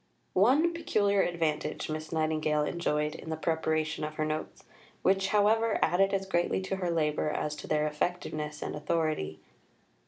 V One peculiar advantage Miss Nightingale enjoyed in the preparation of her Notes, which, however, added as greatly to her labour as to their effectiveness and authority.